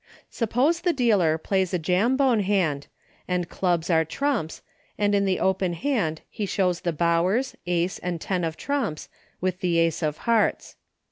Suppose the dealer plays a Jambone LAP, SLAM, AND JAMBONE. 67 hand, and clubs are trumps, and in the open hand he shows the Bowers, Ace, and ten of trumps, with the Ace of hearts.